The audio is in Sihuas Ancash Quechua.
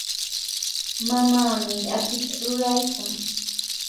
Mamaami apita ruraykan.